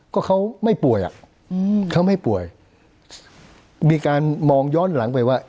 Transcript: ก็เขาไม่ป่วยอ่ะอืมเขาไม่ป่วยมีการมองย้อนหลังไปว่า